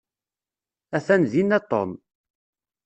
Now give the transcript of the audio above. Atan dina Tom.